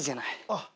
あっ。